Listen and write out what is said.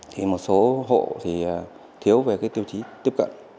thì một số hộ thì thiếu về tiêu chí tiếp cận